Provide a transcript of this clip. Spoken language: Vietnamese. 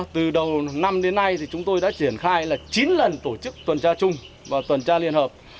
từ đầu năm đến nay thì chúng tôi đã triển khai là chín lần tổ chức tuần tra chung và tuần tra liên hợp